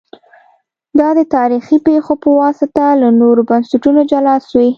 دا د تاریخي پېښو په واسطه له نورو بنسټونو جلا سوي